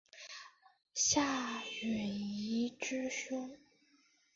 夏允彝之兄。